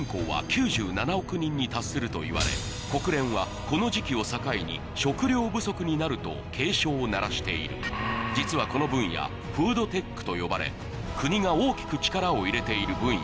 国連はこの時期を境に食糧不足になると警鐘を鳴らしている実はこの分野フードテックと呼ばれ国が大きく力を入れている分野